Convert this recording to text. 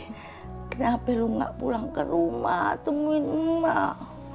cuman kenapa lo gak pulang ke rumah temuin emak